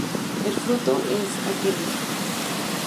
El fruto es un aquenio.